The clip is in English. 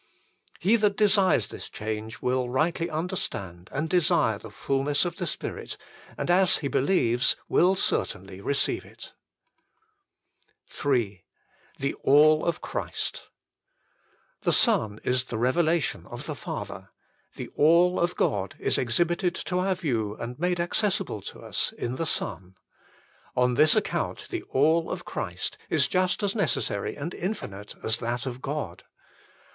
He that desires this change will rightly understand and desire the fulness of the Spirit, and as he believes will certainly receive it. 172 THE FULL BLESSING OF PENTECOST III THE ALL OF CHRIST The Son is the revelation of the Father : the All of God is exhibited to our view and made accessible to us in the Son. On this account the ALL of Christ is just as necessary and infinite as that of God.